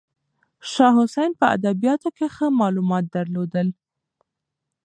شاه حسین په ادبیاتو کې ښه معلومات درلودل.